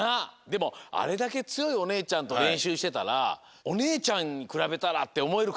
でもあれだけつよいおねえちゃんとれんしゅうしてたらおねえちゃんにくらべたらっておもえるかもわかんないよ。